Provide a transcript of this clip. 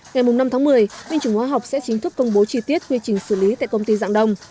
ngày năm tháng một mươi binh chủng hóa học sẽ chính thức công bố chi tiết quy trình xử lý tại công ty dạng đông